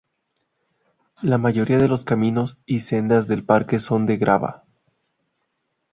La mayoría de los caminos y sendas del parque son de grava.